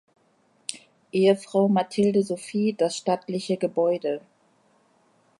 Ehefrau Mathilde Sophie das stattliche Gebäude.